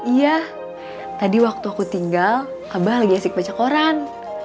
iya tadi waktu aku tinggal abah lagi asik baca koran